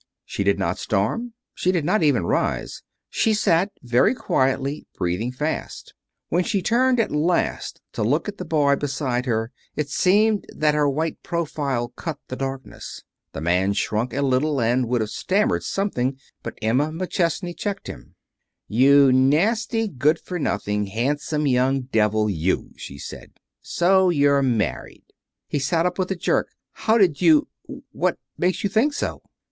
She did not storm. She did not even rise. She sat very quietly, breathing fast. When she turned at last to look at the boy beside her it seemed that her white profile cut the darkness. The man shrank a little, and would have stammered something, but Emma McChesney checked him. [Illustration: "'That was a married kiss a two year old married kiss at least.'"] "You nasty, good for nothing, handsome young devil, you!" she said. "So you're married." He sat up with a jerk. "How did you what makes you think so?"